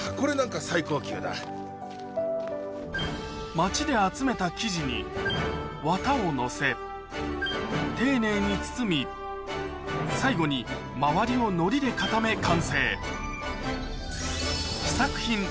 街で集めた生地に綿をのせ丁寧に包み最後に周りをのりで固め完成